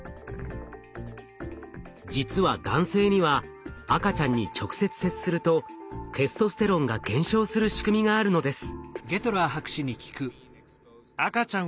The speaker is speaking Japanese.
実は男性には赤ちゃんに直接接するとテストステロンが減少する仕組みがあるのです。